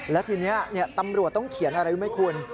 และทีนี้ตำรวจต้องเขียนอะไรรู้ไหมคุณ